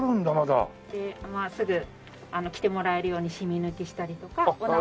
ですぐ着てもらえるようにシミ抜きしたりとかお直し。